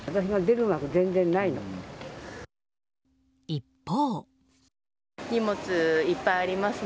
一方。